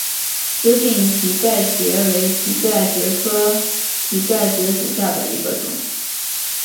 紫柄蹄盖蕨为蹄盖蕨科蹄盖蕨属下的一个种。